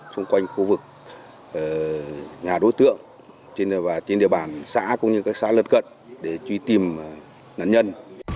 xung quanh khu vực nhà đối tượng trên địa bàn xã cũng như các xã lân cận để truy tìm nạn nhân